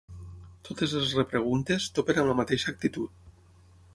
Totes les repreguntes topen amb la mateixa actitud.